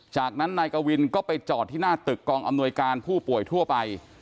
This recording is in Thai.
จากนั้นนายกวินก็ไปจอดที่หน้าตึกกองอำนวยการผู้ป่วยทั่วไป